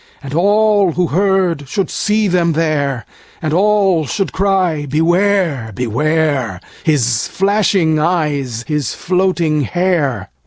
And all who heard should see them there, And all should cry, Beware! Beware! His flashing eyes, his floating hair!